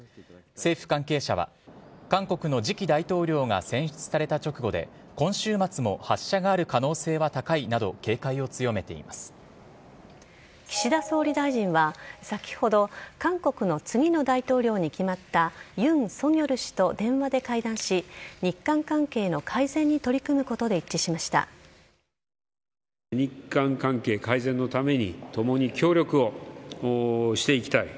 政府関係者は韓国の次期大統領が選出された直後で今週末も発射がある可能性は高いなど岸田総理大臣は先ほど韓国の次の大統領に決まった尹錫悦氏と電話で会談し日韓関係の改善に取り組むことで一致しました。